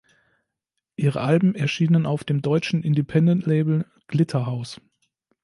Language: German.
Ihre Alben erschienen auf dem deutschen Independent-Label Glitterhouse.